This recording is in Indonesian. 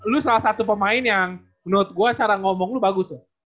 lu salah satu pemain yang menurut gue cara ngomong lu bagus loh